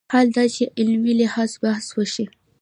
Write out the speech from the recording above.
حال دا چې علمي لحاظ بحث وشي